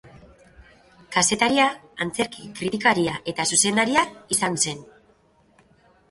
Kazetaria, antzerki-kritikaria eta zuzendaria izan zen.